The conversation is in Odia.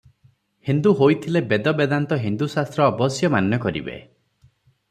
ହିନ୍ଦୁ ହୋଇଥିଲେ ବେଦ ବେଦାନ୍ତ ହିନ୍ଦୁଶାସ୍ତ୍ର ଅବଶ୍ୟ ମାନ୍ୟ କରିବେ।